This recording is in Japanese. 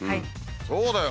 そうだよ。